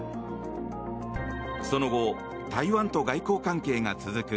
その後、台湾と外交関係が続く